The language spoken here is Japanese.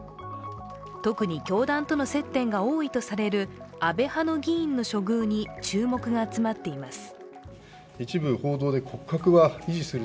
特に教団との接点が多いとされる安倍派の議員の処遇に注目が集まっています。